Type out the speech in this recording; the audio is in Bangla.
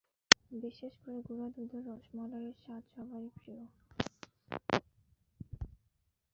বিশেষ করে গুঁড়া দুধের রসমালাইয়ের স্বাদ সবারই প্রিয়।